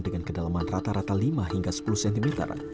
dengan kedalaman rata rata lima hingga sepuluh cm